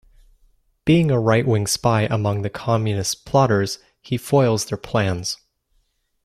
Being a right-wing spy among the Communist plotters, he foils their plans.